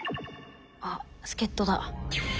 あっ助っとだ。